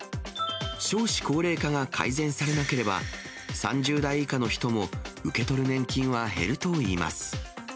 少子高齢化が改善されなければ、３０代以下の人も受け取る年金は減るといいます。